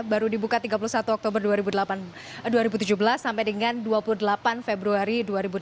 baru dibuka tiga puluh satu oktober dua ribu tujuh belas sampai dengan dua puluh delapan februari dua ribu delapan belas